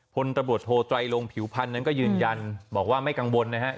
พลตำรวจโทไตรลงผิวพันธ์นั้นก็ยืนยันบอกว่าไม่กังวลนะครับ